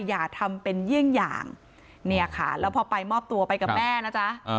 อย่าทำเป็นเยี่ยงอย่างเนี่ยค่ะแล้วพอไปมอบตัวไปกับแม่นะจ๊ะ